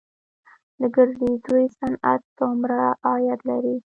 د ګرځندوی صنعت څومره عاید لري؟